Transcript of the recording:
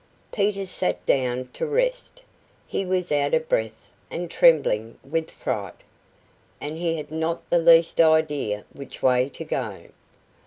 Peter sat down to rest; he was out of breath and trembling with fright, and he had not the least idea which way to go.